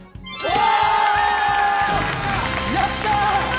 やったー！